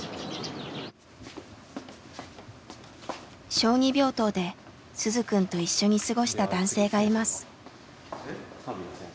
小児病棟で鈴くんと一緒に過ごした男性がいます。